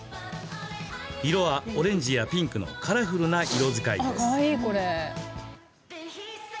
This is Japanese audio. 色はオレンジやピンクのカラフルな色使いです。